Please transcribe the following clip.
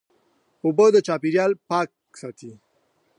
اوبه د چاپېریال پاک ساتي.